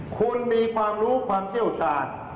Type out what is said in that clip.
คุณมีความรู้ความเชี่ยวชาญ